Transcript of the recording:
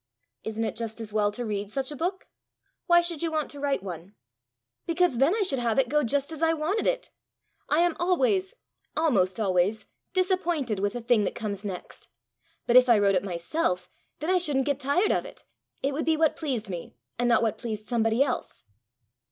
"Isn't it just as well to read such a book? Why should you want to write one?" "Because then I should have it go just as I wanted it! I am always almost always disappointed with the thing that comes next. But if I wrote it myself, then I shouldn't get tired of it; it would be what pleased me, and not what pleased somebody else."